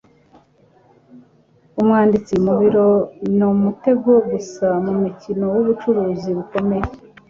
umwanditsi mu biro ni umutego gusa mu mukino wubucuruzi bukomeye